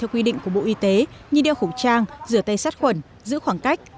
theo quy định của bộ y tế như đeo khẩu trang rửa tay sát khuẩn giữ khoảng cách